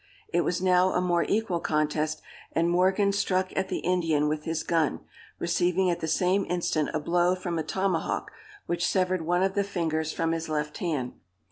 It was now a more equal contest; and Morgan struck at the Indian with his gun, receiving at the same instant a blow from a tomahawk, which severed one of the fingers from his left hand.